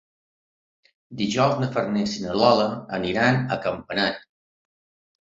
Dijous na Farners i na Lola iran a Campanet.